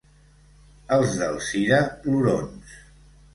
Els d'Alzira, plorons.